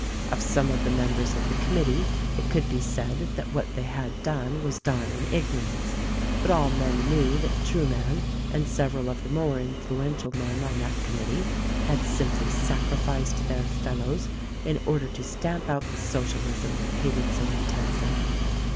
Of some of the members of the committee it could be said that what they had done was done in ignorance, but all men knew that Trueman and several of the more influential men on that committee had simply sacrificed their fellows in order to stamp out the Socialism they hated so intensely.